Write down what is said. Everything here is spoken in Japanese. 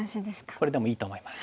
これでもいいと思います。